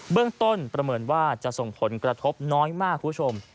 เรื่องต้นประเมินว่าจะส่งผลกระทบน้อยมากคุณผู้ชม